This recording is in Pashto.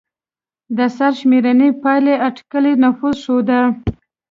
د سرشمېرنې پایلې اټکلي نفوس ښوده.